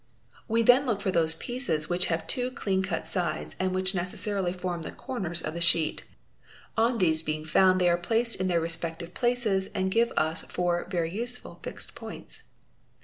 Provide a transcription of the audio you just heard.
We then look for those pieces which have two clean cut sides and which necessarily form the corners of the sheet. On these being found they are placed in their respective places and give us four very useful fixed points.